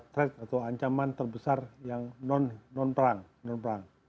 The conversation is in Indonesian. threat atau ancaman terbesar yang non perang